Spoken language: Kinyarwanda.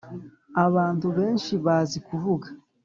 abantu benshi bazi kuvuga